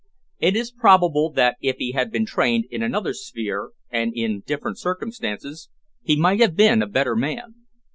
It is probable that if he had been trained in another sphere and in different circumstances he might have been a better man.